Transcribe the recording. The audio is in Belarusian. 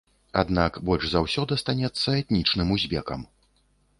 Аднак больш за ўсё дастанецца этнічным узбекам.